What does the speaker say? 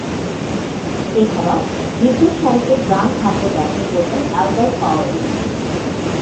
এছাড়াও, নিচেরসারিতে ডানহাতে ব্যাটিং করতেন আলবার্ট পাওয়েল।